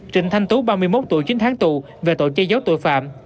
trịnh thanh tú ba mươi một tuổi chín tháng tù về tội che giấu tội phạm